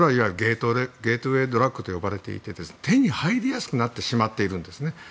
ゲートウェイドラッグと呼ばれていて、手に入りやすくなってしまっているんです。